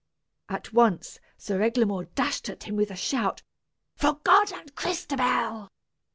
At once Sir Eglamour dashed at him with a shout "For God and Crystabell!"